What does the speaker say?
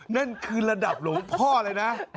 นั่นคือระดับหลวงพ่อเลยนะ